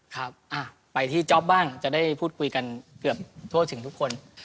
ครับไปที่จ๊อปบ้างจะได้พูดคุยกันเกือบทั่วถึงทุกคน